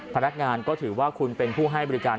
พนักงานก็ถือว่าคุณเป็นผู้ให้บริการ